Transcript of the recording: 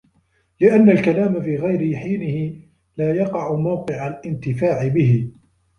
لِأَنَّ الْكَلَامَ فِي غَيْرِ حِينِهِ لَا يَقَعُ مَوْقِعَ الِانْتِفَاعِ بِهِ